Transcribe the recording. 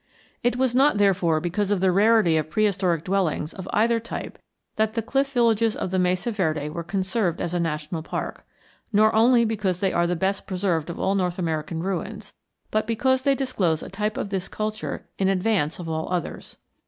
It was not therefore because of the rarity of prehistoric dwellings of either type that the cliff villages of the Mesa Verde were conserved as a national park, nor only because they are the best preserved of all North American ruins, but because they disclose a type of this culture in advance of all others.